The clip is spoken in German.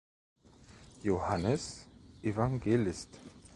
Johannes Evangelist.